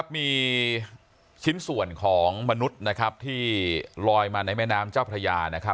มีชิ้นส่วนของมนุษย์ที่ลอยมาในแม่น้ำเจ้าพระยา